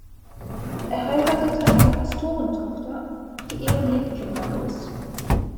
Er heiratete eine Pastorentochter; die Ehe blieb kinderlos.